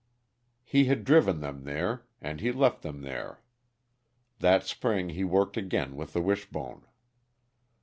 He had driven them there, and he left them there. That spring he worked again with the Wishbone.